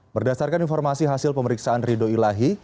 berdasarkan informasi hasil pemeriksaan rido ilahi